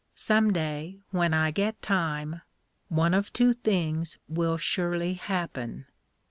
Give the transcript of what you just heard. Some day, when I get time, one of two things will surely happen.